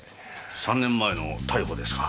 ３年前の逮捕ですか？